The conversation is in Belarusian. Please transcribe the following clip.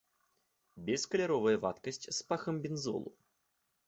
Бескаляровая вадкасць з пахам бензолу.